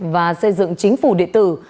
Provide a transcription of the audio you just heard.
và xây dựng chính phủ địa tử